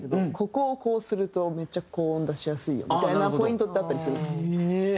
ここをこうするとめっちゃ高音出しやすいよみたいなポイントってあったりするんですか？